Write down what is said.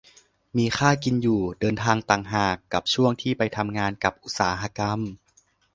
มีค่ากินอยู่เดินทางต่างหาก กับช่วงที่ไปทำงานกับอุตสาหกรรม